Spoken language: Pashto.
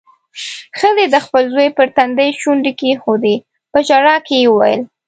ښځې د خپل زوی پر تندي شونډې کېښودې. په ژړا کې يې وويل: